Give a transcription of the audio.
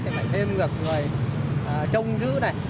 sẽ phải thêm việc người trông giữ này